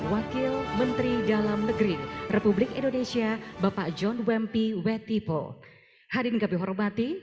wakil menteri dalam negeri republik indonesia bapak john wempi wetipo hadir kami hormati